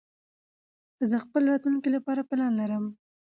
زه د خپل راتلونکي لپاره پلان لرم.